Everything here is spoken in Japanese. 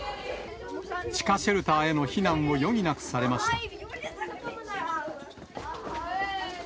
地下シェルターへの避難を余儀なくされました。